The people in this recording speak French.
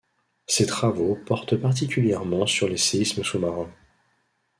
Ses travaux portent particulièrement sur les séismes sous-marins.